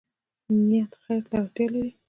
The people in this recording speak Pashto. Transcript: نیت خیر ته اړتیا لري